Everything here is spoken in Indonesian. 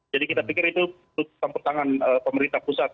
jadi kita pikir itu untuk pertangan pemerintah pusat